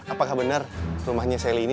apakah benar rumahnya sally ini